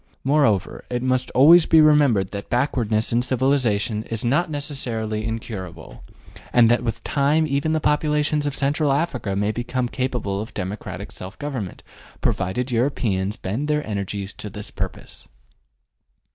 Moreover, it must always be remembered that backwardness in civilization is not necessarily incurable, and that with time even the populations of Central Africa may become capable of democratic self government, provided Europeans bend their energies to this purpose.